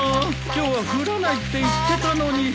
今日は降らないって言ってたのに。